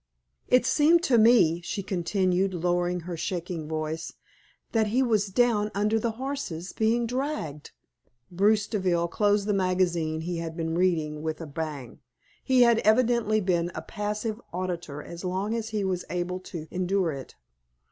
"It seemed to me," she continued, lowering her shaking voice, "that he was down under the horses, being dragged " Bruce Deville closed the magazine he had been reading with a bang. He had evidently been a passive auditor as long as he was able to endure it.